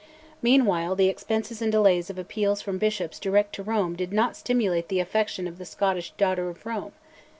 Meanwhile the expenses and delays of appeals from bishops direct to Rome did not stimulate the affection of the Scottish "daughter of Rome."